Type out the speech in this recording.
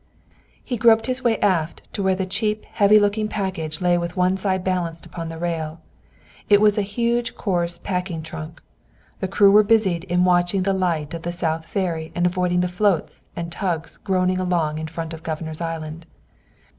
He groped his way aft to where the cheap heavy looking package lay with one side balanced upon the rail. It was a huge coarse packing trunk. The crew were busied in watching the light of the South Ferry and avoiding the floats and tugs groaning along in front of Governor's Island.